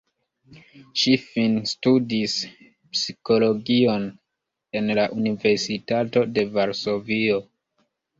Ŝi finstudis psikologion en la Universitato de Varsovio.